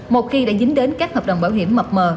một khi đã dính đến các hợp đồng bảo hiểm mập mờ